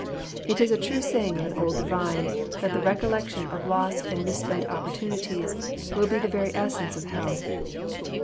It is a true saying of an old divine, that the recollection of lost and misspent opportunities will be the very essence of hell.